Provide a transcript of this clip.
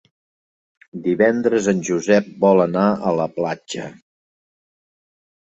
Divendres en Josep vol anar a la platja.